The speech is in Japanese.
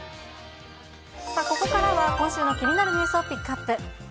ここからは今週の気になるニュースをピックアップ。